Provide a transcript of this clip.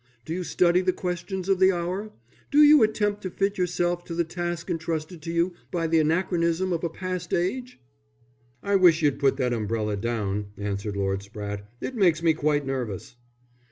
Do you study the questions of the hour? Do you attempt to fit yourself for the task entrusted to you by the anachronism of a past age?" "I wish you'd put that umbrella down," answered Lord Spratte. "It makes me quite nervous."